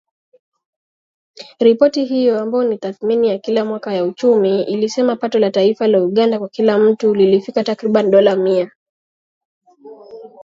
Ripoti hiyo, ambayo ni tathmini ya kila mwaka ya uchumi, ilisema pato la taifa la Uganda kwa kila mtu lilifikia takriban dola mia